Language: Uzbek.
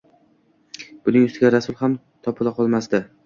Buning ustiga, Rasul ham topila qolmasdi